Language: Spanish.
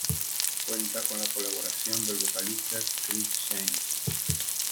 Cuenta con la colaboración del vocalista Chris James.